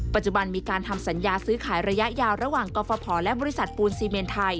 ปัจจุบันมีการทำสัญญาซื้อขายระยะยาวระหว่างกรฟภและบริษัทปูนซีเมนไทย